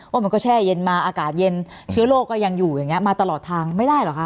มันก็แช่เย็นมาอากาศเย็นเชื้อโรคก็ยังอยู่อย่างนี้มาตลอดทางไม่ได้เหรอคะ